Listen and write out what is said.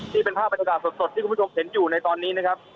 นี่เป็นภาพบรรยากาศสดที่คุณผู้ชมเห็นอยู่ในตอนนี้นะครับ